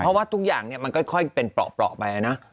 เพราะว่าทุกอย่างเนี่ยมันค่อยเป็นเปราะไปนะ